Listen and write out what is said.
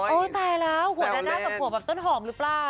ตายแล้วหัวจะหน้ากับหัวแบบต้นหอมหรือเปล่า